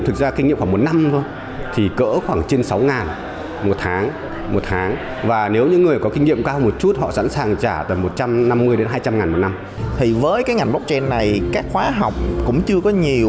tổ chức tuyển dụng của blockchain này các khóa học cũng chưa có nhiều